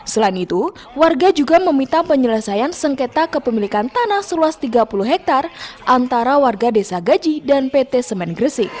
selain itu warga juga meminta penyelesaian sengketa kepemilikan tanah seluas tiga puluh hektare antara warga desa gaji dan pt semen gresik